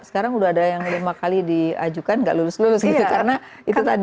sekarang udah ada yang lima kali diajukan gak lulus lulus gitu karena itu tadi